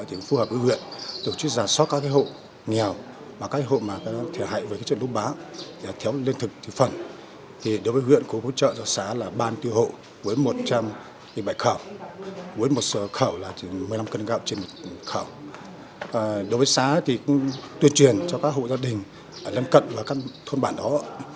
tuyên truyền cho các hộ gia đình ở lâm cận và các thôn bản đó